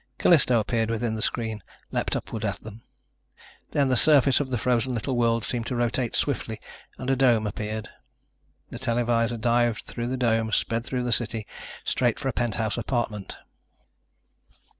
Callisto appeared within the screen, leaped upward at them. Then the surface of the frozen little world seemed to rotate swiftly and a dome appeared. The televisor dived through the dome, sped through the city, straight for a penthouse apartment.